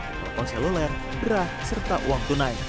telepon seluler berah serta uang tunai